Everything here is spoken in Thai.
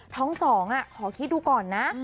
ท้องสองอ่ะขอคิดดูก่อนซ์นะ